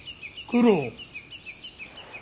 九郎。